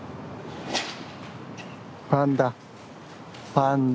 パンダ。